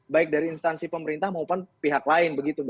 baik dari instansi pemerintah maupun pihak lain